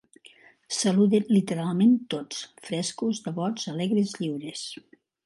Saluden literalment tots, frescos, devots, alegres, lliures.